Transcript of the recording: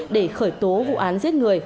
để khởi tố vụ án giết người